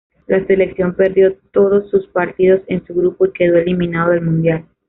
La selección perdió todos sus partidos en su grupo y quedó eliminado del mundial.